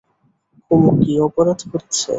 কুমু কী অপরাধ করেছে?